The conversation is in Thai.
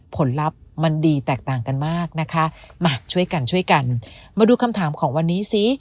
ผลลัพธ์มันดีแตกต่างกันมากนะคะมาช่วยกันช่วยกันมาดูคำถามของวันนี้ซิ